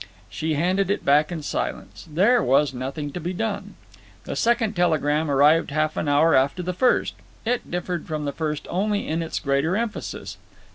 She handed it back in silence. There was nothing to be done. The second telegram arrived half an hour after the first. It differed from the first only in its greater emphasis.